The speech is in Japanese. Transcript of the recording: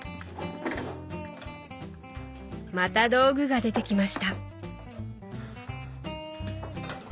また道具が出てきました。